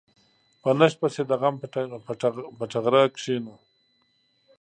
په نشت پسې د غم په ټغره کېنو.